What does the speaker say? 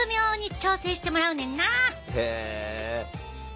へえ！